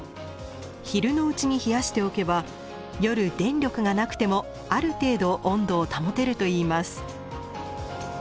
昼のうちに冷やしておけば夜電力がなくてもある程度温度を保てるといいます。